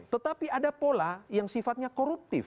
tetapi ada pola yang sifatnya koruptif